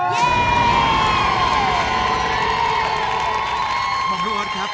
ท่านพี่โบรสครับ